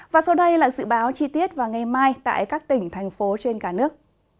và sau đây là dự báo chi tiết vào ngày mai tại các tỉnh thành phố trên cả nước